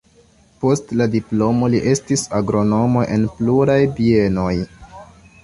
Post la diplomo li estis agronomo en pluraj bienoj.